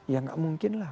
ya gak mungkin lah